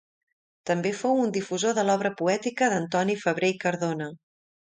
També fou un difusor de l'obra poètica d'Antoni Febrer i Cardona.